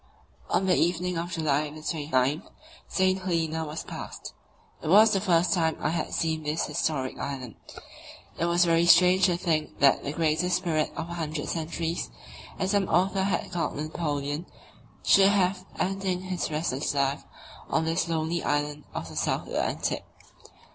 On the evening of July 29 St. Helena was passed. It was the first time I had seen this historic island. It was very strange to think that "the greatest spirit of a hundred centuries," as some author has called Napoleon, should have ending his restless life on this lonely island of the South Atlantic.